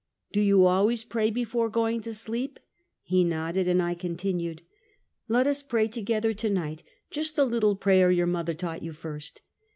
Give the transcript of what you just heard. " Do you always pray before going to sleep ?" He nodded, and I contined: " Let us pray together, to night, just the little prayer your mother taught you first."